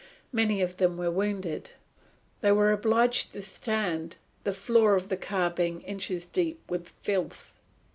Many of them were wounded. They were obliged to stand, the floor of the car being inches deep with filth.